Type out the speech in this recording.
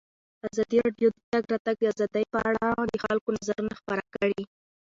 ازادي راډیو د د تګ راتګ ازادي په اړه د خلکو نظرونه خپاره کړي.